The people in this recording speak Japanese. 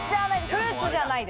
フルーツじゃない？